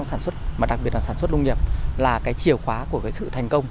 sản xuất mà đặc biệt là sản xuất nông nghiệp là cái chìa khóa của sự thành công